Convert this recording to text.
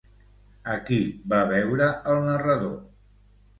A qui va veure el narrador?